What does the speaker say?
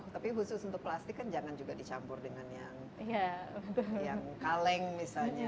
tapi khusus untuk plastik kan jangan juga dicampur dengan yang kaleng misalnya